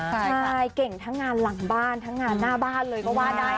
ใช่เก่งทั้งงานหลังบ้านทั้งงานหน้าบ้านเลยก็ว่าได้